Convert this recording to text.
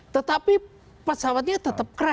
tetapi pesawatnya tetap keras